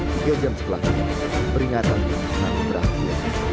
tiga jam setelah ini peringatan yang sangat berakhir